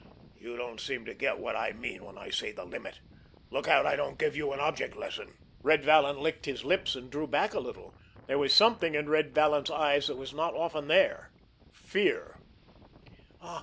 You don't seem to get what I mean when I say the limit. Look out I don't give you an object lesson!" Red Vallon licked his lips, and drew back a little. There was something in Red Vallon's eyes that was not often there—fear.